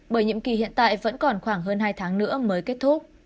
bởi nhiệm kỳ hiện tại vẫn còn khoảng hơn hai tháng nữa mới kết thúc